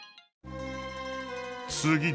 次だ。